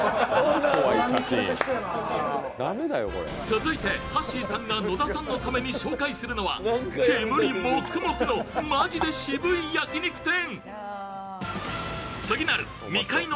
続いてはっしーさんが野田さんのために紹介するのは煙モクモクのマヂで渋い焼き肉店。